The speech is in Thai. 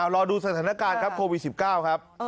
รอดูสถานการณ์ครับโควิด๑๙ครับ